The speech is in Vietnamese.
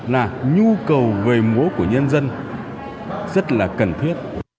là nhu cầu về múa của nhân dân rất là cần thiết